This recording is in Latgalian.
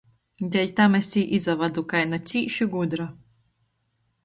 Deļ tam es i izavadu kai na cīši gudra...